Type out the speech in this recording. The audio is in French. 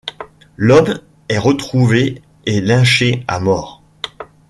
L'homme est retrouvé et lynché à mort.